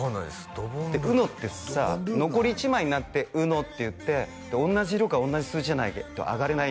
ドボンＵＮＯってさ残り１枚になって「ＵＮＯ」って言って同じ色か同じ数字じゃないとあがれない